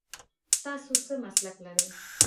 تاسو څه مسلک لرئ ؟